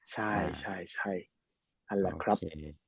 ใช่อันแหละครับ